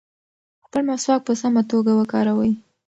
خپل مسواک په سمه توګه وکاروئ.